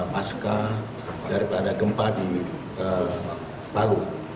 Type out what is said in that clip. pasca daripada gempa di palu